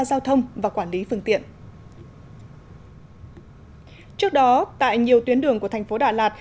giao thông và quản lý phương tiện trước đó tại nhiều tuyến đường của tp đà lạt